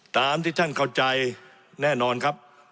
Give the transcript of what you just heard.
ตามที่ท่านเข้าใจแน่นอนครับ